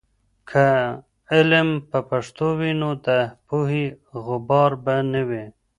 که علم په پښتو وي، نو د پوهې غبار به نه وي.